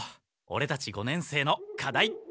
オレたち五年生の課題